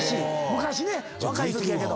昔ね若いときやけど。